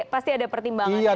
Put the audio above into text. pasti ada pertimbangannya